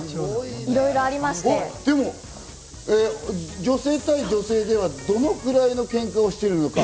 でも、女性対女性ではどのぐらいの喧嘩をしているのか。